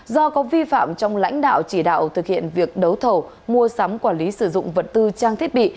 do có vi phạm trong lãnh đạo chỉ đạo thực hiện việc đấu thầu mua sắm quản lý sử dụng vật tư trang thiết bị